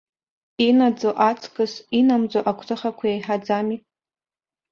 Инаӡо аҵкыс инамӡо агәҭыхақәа еиҳаӡами?